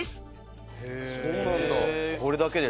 そうなんだ。